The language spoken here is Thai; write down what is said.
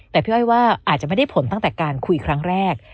แต่พี่อ้อยว่าอาจจะไม่ได้ผลตั้งแต่การคุยครั้งแรก